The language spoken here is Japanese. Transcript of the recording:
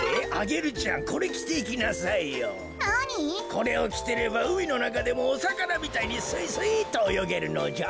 これをきてればうみのなかでもおさかなみたいにスイスイっとおよげるのじゃ。